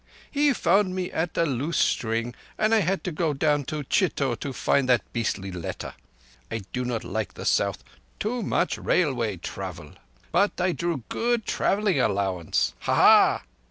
He found me at a loose string, and I had to go down to Chitor to find that beastly letter. I do not like the South—too much railway travel; but I drew good travelling allowance. Ha! Ha!